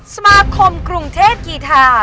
สมาคมกรุงเทพกีธา